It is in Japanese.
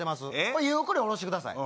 これゆっくりおろしてください